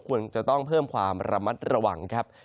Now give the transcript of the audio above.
ควรจะต้องเพิ่มความระมัดระวังครับ